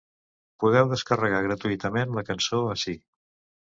Podeu descarregar gratuïtament la cançó ací.